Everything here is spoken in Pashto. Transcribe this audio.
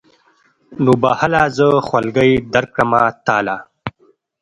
نو به هله زه خولګۍ درکړمه تاله.